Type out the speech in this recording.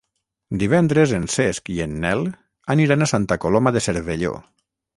Divendres en Cesc i en Nel aniran a Santa Coloma de Cervelló.